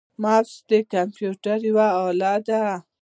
موس د کمپیوټر یوه اله ده.